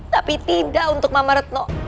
tapi tidak untuk mama retno